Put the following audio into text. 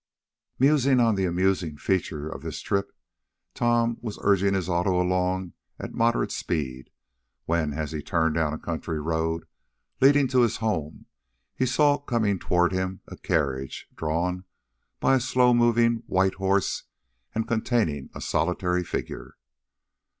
Musing on the amusing feature of his trip, Tom was urging his auto along at moderate speed, when, as he turned down a country road, leading to his home, he saw, coming toward him, a carriage, drawn by a slow moving, white horse, and containing a solitary figure.